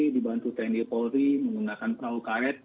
dibantu tni polri menggunakan perahu karet